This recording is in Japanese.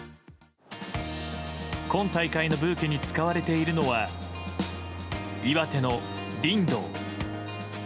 今大会のブーケに使われているのは岩手のリンドウ。